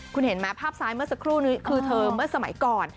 คุณเห็นไหมภาพซ้ายเมื่อสักครู่นี้คือเธอเมื่อสมัยก่อน